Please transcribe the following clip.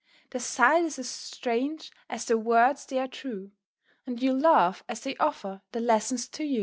The sight is as strange as their words they are true, And you'll laugh as they offer their lessons to you.